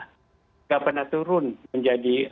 tidak pernah turun menjadi